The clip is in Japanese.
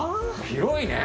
広いね！